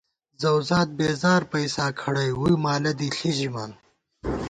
زؤزاد بېزار پئیسا کھَڑَئی ووئی مالہ دی ݪی ژِمان